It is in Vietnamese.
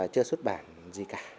chẳng hạn gì cả